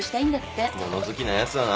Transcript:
物好きなやつだな。